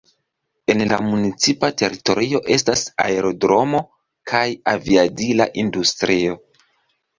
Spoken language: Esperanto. En la municipa teritorio estas aerodromo kaj aviadila industrio.